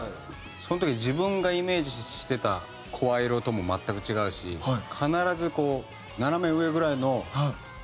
その時自分がイメージしてた声色とも全く違うし必ずこう斜め上ぐらいの完成を持ってくるんですよね。